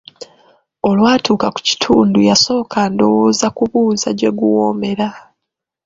Olwatuuka ku kitundu yasooka ndowooza kubuuza gye guwoomera.